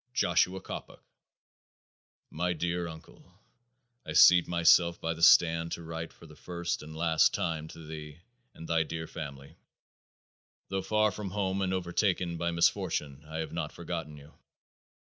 Joshua Coppock: My Dear Uncle I seat myself by the stand to write for the first and last time to thee and thy dear family. Though far from home and overtaken by misfortune, I have not forgotten you.